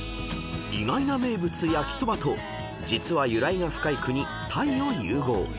［意外な名物焼きそばと実は由来が深い国タイを融合］